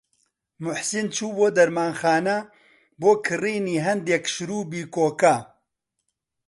موحسین چوو بۆ دەرمانخانە بۆ کڕینی هەندێک شرووبی کۆکە.